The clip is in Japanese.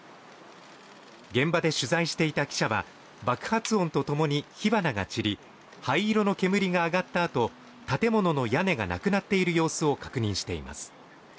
現場で取材していた記者は、爆発音とともに火花が散り灰色の煙が上がった後、建物の屋根がなくなっている様子を確認しています。